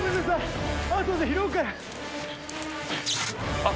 あっ。